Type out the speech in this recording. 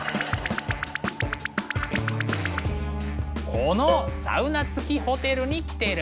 このサウナ付きホテルに来てる。